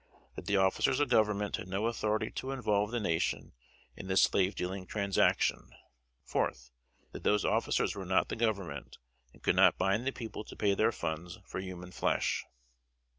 That the officers of Government had no authority to involve the nation in this slave dealing transaction. 4th. That those officers were not the Government, and could not bind the people to pay their funds for human flesh.